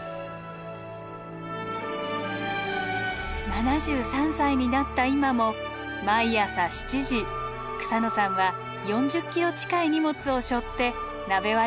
７３歳になった今も毎朝７時草野さんは４０ｋｇ近い荷物を背負って鍋割山を登ります。